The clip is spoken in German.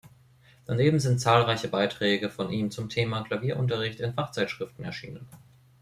Daneben sind zahlreiche Beiträge von ihm zum Thema Klavierunterricht in Fachzeitschriften erschienen.